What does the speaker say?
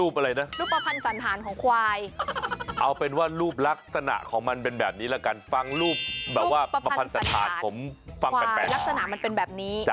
ผมฟังแปลกควายลักษณะมันเป็นแบบนี้